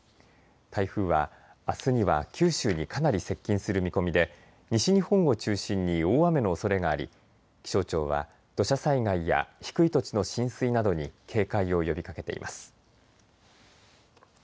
台風はあすには九州にかなり接近する見込みで、西日本を中心に大雨のおそれがあり気象庁は土砂災害や低い土地の浸水などに警戒を呼びかけています。